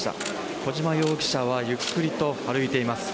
小島容疑者はゆっくりと歩いています。